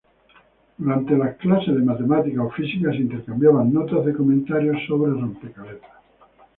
Durante las clases de matemática o física, se intercambiaban notas de comentarios sobre rompecabezas.